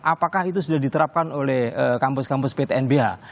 apakah itu sudah diterapkan oleh kampus kampus ptnbh